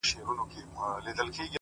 • په سره سالو کي ګرځېدې مین دي کړمه,